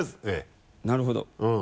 なるほど。